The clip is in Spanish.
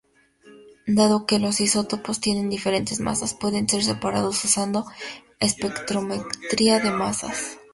Dado que los isótopos tienen diferentes masas, pueden ser separados usando espectrometría de masas.